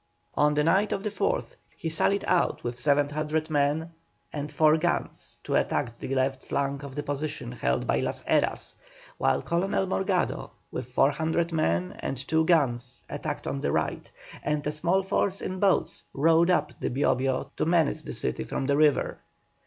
On the night of the 4th he sallied out with 700 men and four guns to attack the left flank of the position held by Las Heras, while Colonel Morgado, with 400 men and two guns attacked on the right, and a small force in boats rowed up the Bio Bio to menace the city from the river.